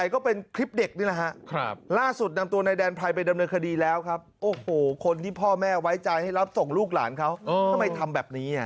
ขอบคุณครับ